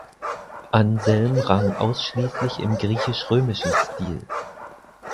Anselm rang ausschließlich im griechisch-römischen Stil.